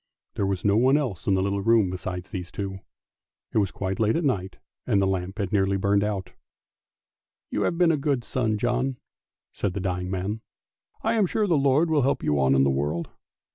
There was no one else in the little room besides these two; it was quite late at night and the lamp had nearly burnt out. " You have been a good son, John," said the dying man. " I am sure the Lord will help you on in the world!